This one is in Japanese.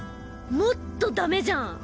もっとダメじゃん